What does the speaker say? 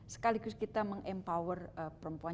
sekaligus kita meng empower perempuan